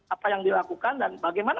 apa yang dilakukan dan bagaimana